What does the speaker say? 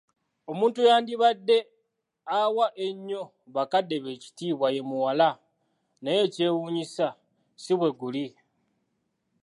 Omuntu eyandibadde awa ennyo bakadde be ekitiiba ye muwala, naye ekyewuunyisa si bwe guli!